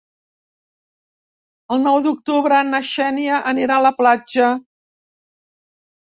El nou d'octubre na Xènia anirà a la platja.